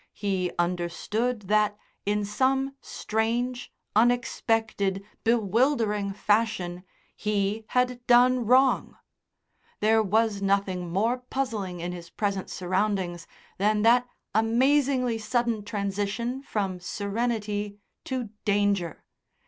He understood that, in some strange, unexpected, bewildering fashion he had done wrong. There was nothing more puzzling in his present surroundings than that amazingly sudden transition from serenity to danger.